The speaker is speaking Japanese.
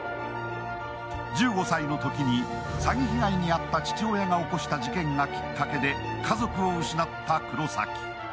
１５歳のときに詐欺被害に遭った父親が起こした事件がきっかけで家族を失った黒崎。